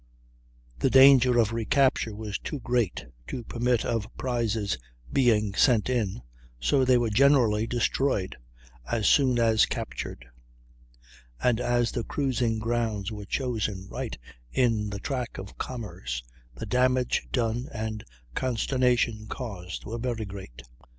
The danger of recapture was too great to permit of the prizes being sent in, so they were generally destroyed as soon as captured; and as the cruising grounds were chosen right in the track of commerce, the damage done and consternation caused were very great.